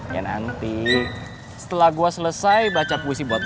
ya nanti setelah gue selesai baca puisi buat gue